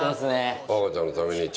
和歌子ちゃんのために。